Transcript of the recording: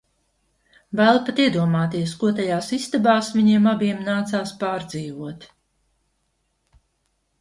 Bail pat iedomāties, ko tajās istabās viņiem abiem nācās pārdzīvot...